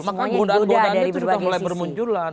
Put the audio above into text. maka godaan godaan itu sudah mulai bermunculan